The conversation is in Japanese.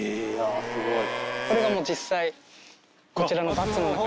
これがもう実際こちらの。